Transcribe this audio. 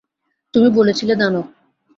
তুমি বলেছিলে দানব।